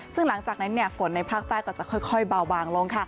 ซึ่งหลังจากนั้นฝนในภาคใต้ก็จะค่อยเบาบางลง